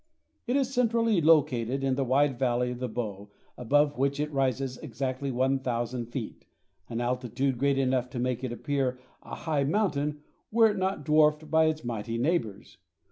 It is centrally located in the wide valley of the Bow, above which it rises exactly 1000 feet, an altitude great enough to make it appear a high mountain were it not dwarfed by its mighty neighbors.